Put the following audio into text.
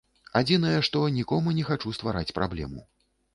Адзінае, што нікому не хачу ствараць праблему.